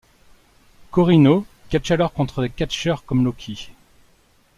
Corino catche alors contre des catcheurs comme Low-Ki.